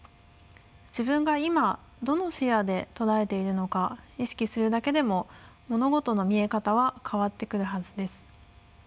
自分が今どの視野で捉えているのか意識するだけでも物事の見え方は変わってくるはずです。